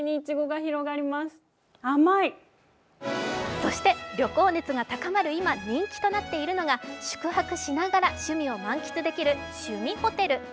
そして旅行熱が高まる今、人気となっているのが宿泊しながら趣味を満喫できる趣味ホテル。